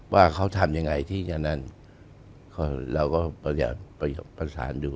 ว่าเขาทำยังไงที่จะนั่นเราก็อยากประสานดู